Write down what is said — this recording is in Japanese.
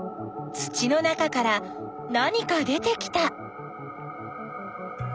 土の中から何か出てきた。